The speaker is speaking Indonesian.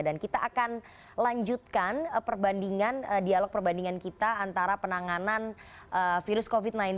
dan kita akan lanjutkan perbandingan dialog perbandingan kita antara penanganan virus covid sembilan belas